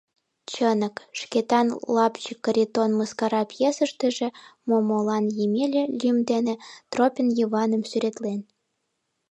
Чынак, Шкетан «Лапчык Каритон» мыскара пьесыштыже Момолан Емеля лӱм дене Тропин Йываным сӱретлен.